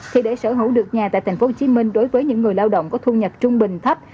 thì để sở hữu được nhà tại thành phố hồ chí minh đối với những người lao động có thu nhập trung bình thấp